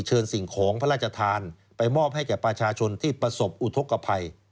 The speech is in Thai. สิ่งของพระราชทานไปมอบให้แก่ประชาชนที่ประสบอุทธกภัย